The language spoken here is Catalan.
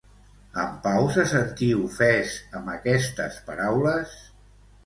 En Pau se sentí ofès amb aquestes paraules?